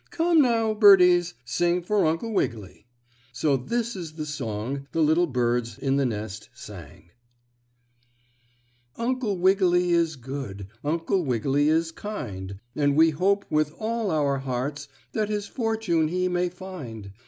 "Come now, birdies, sing for Uncle Wiggily." So this is the song the little birds in the nest sang: "Uncle Wiggily is good, Uncle Wiggily is kind, And we hope with all our hearts, That his fortune he may find.